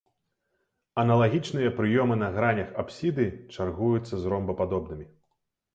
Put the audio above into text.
Аналагічныя праёмы на гранях апсіды чаргуюцца з ромбападобнымі.